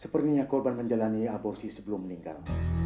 sepertinya korban menjalani aborsi sebelum meninggal